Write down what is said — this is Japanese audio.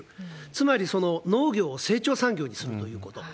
つまり、農業を成長産業にするということ。